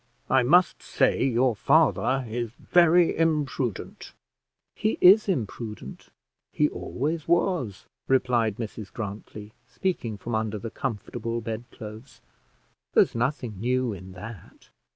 I must say your father is very imprudent." "He is imprudent; he always was," replied Mrs Grantly, speaking from under the comfortable bed clothes. "There's nothing new in that."